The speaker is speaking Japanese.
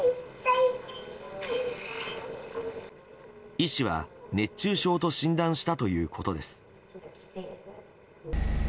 医師は熱中症と診断したということです。